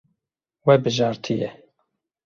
We bijartiye.